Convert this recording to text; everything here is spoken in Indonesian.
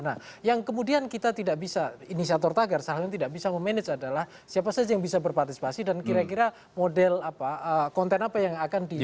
nah yang kemudian kita tidak bisa inisiator tagar salah satunya tidak bisa memanage adalah siapa saja yang bisa berpartisipasi dan kira kira model apa konten apa yang akan di